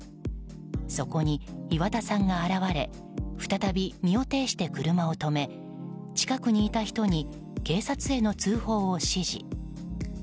そこに岩田さんが現れ再び身を挺して車を止め近くにいた人に警察への通報を指示。